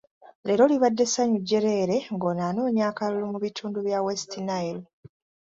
Leero libadde ssanyu jjereere ng'ono anoonya akalulu mu bitundu bya West Nile.